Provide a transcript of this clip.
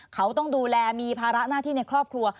เขาต้องดูแลมีภาระหน้าที่ในครอบครัว